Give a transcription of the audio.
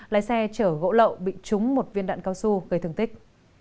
lái xe chở gỗ lậu bị trúng một viên đạn cao su gây thương tích